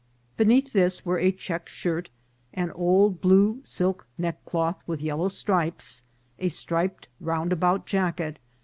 Beneath this were a check shirt, an old blue silk neckcloth with yellow stripes, a striped roundabout jacket